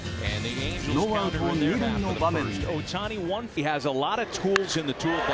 ノーアウト２塁の場面で。